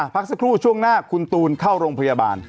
พักสักครู่ช่วงหน้าคุณตูนเข้าโรงพยาบาล